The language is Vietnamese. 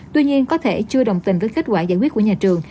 tuy nhiên có thể chưa đồng tình với kết quả giải quyết của nhà trường